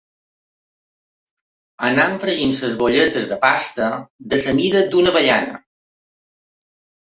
Anem fregint les boletes de pasta de la mida d’una avellana.